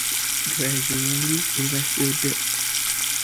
Gradually, it was rebuilt.